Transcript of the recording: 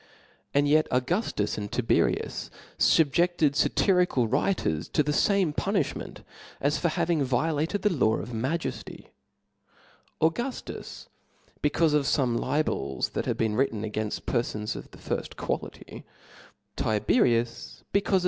And yet Juguftus and Tiberius fubjedted faty rical writers to the fame punilhment as for having violated the law of majcfty. Auguftus (^), be (f)r«fl caufcof fome libels that had been written agaiiift'"'!^^*^' perfons of the firfi; quality ; Tiberius, becaufe of Book t.